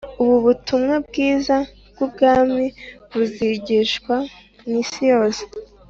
ubu butumwa bwiza bw’ubwami buzigishwa mu isi yose